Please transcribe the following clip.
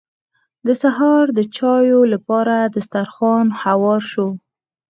د سهار د چايو لپاره دسترخوان هوار شو.